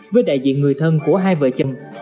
với đại diện người thân của hai vợ chồng